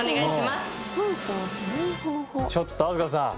ちょっと飛鳥さん。